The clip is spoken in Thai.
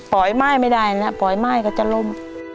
ม่ายไม่ได้นะปล่อยม่ายก็จะล้ม